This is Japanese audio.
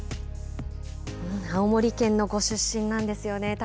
青森県のご出身なんですよね